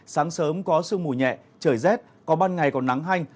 sáng sớm có sương mù nhẹ trời rét có ban ngày còn nắng hanh